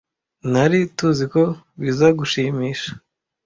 Nari tuziko bizagushimisha.